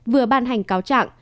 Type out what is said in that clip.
vừa ban hành cáo trạng